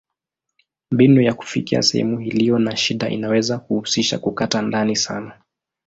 Mbinu ya kufikia sehemu iliyo na shida inaweza kuhusisha kukata ndani sana.